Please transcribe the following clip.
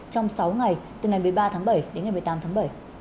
trong sáu ngày từ ngày một mươi ba tháng bảy đến ngày một mươi tám tháng bảy